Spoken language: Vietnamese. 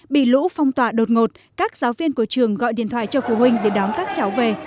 bị lũ phong tỏa đột ngột các giáo viên của trường gọi điện thoại cho phụ huynh để đón các cháu về